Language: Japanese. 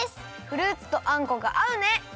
フルーツとあんこがあうね！